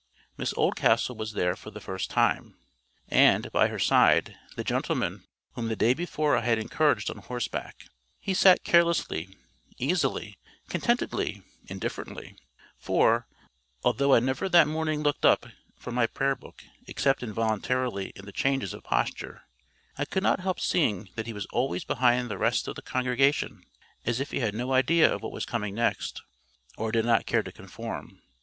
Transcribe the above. Miss Oldcastle was there for the first time, and, by her side, the gentleman whom the day before I had encountered on horseback. He sat carelessly, easily, contentedly—indifferently; for, although I never that morning looked up from my Prayer book, except involuntarily in the changes of posture, I could not help seeing that he was always behind the rest of the congregation, as if he had no idea of what was coming next, or did not care to conform.